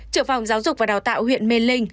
trưởng phòng giáo dục và đào tạo huyện mê linh